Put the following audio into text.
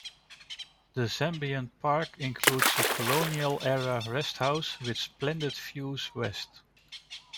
The Zambian park includes a colonial-era resthouse with splendid views west.